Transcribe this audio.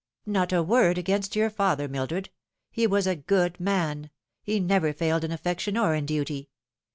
" Not a word against your father, Mildred. He was a good man. He never failed in affection or in duty.